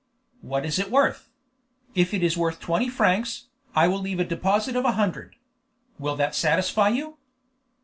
"What is it worth? If it is worth twenty francs, I will leave a deposit of a hundred. Will that satisfy you?"